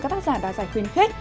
các tác giả đoàn giải khuyến khích